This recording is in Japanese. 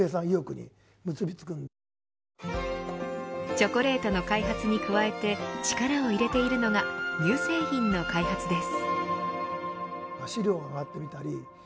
チョコレートの開発に加えて力を入れているのが乳製品の開発です。